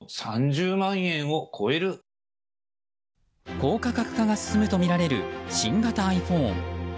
高価格化が進むとみられる新型ｉＰｈｏｎｅ。